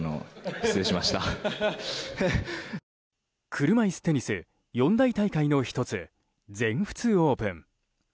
車いすテニス四大大会の１つ全仏オープン。